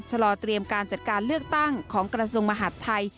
รอเตรียมการจัดการเลือกตั้งของกระทรวงมหาดไทย